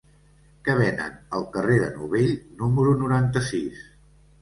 Què venen al carrer de Novell número noranta-sis?